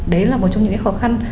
đấy là một trong những cái khó khăn